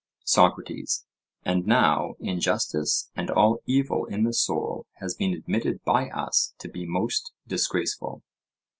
SOCRATES: And now injustice and all evil in the soul has been admitted by us to be most disgraceful?